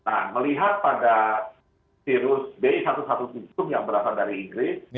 nah melihat pada virus b satu ratus tujuh belas yang berasal dari inggris